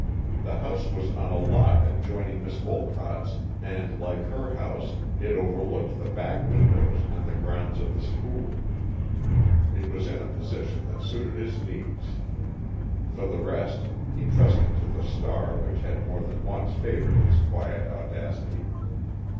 The house was on a lot adjoining Miss Wolcott's and, like her house, it overlooked the back windows and the grounds of the School. It was in a position that suited his needs. For the rest, he trusted to the star which had more than once favored his quiet audacity.